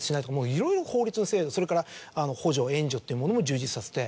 いろいろ法律や制度それから補助援助というものも充実させて。